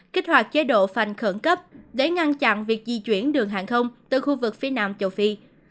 kích hoạt chế độ phành khẩn cấp để ngăn chặn việc di chuyển đường hàng không từ khu vực phía nam châu phi